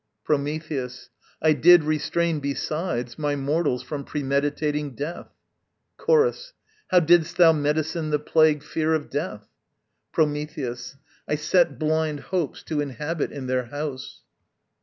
Prometheus. I did restrain besides My mortals from premeditating death. Chorus. How didst thou medicine the plague fear of death? Prometheus. I set blind Hopes to inhabit in their house.